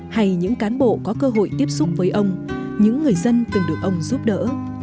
hay những cán bộ có cơ hội tiếp xúc với ông những người dân từng được ông giúp đỡ